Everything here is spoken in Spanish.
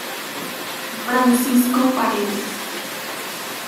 Francisco Paredes.